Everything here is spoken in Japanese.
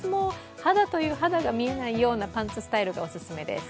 肌という肌が見えないようなパンツスタイルがおすすめです。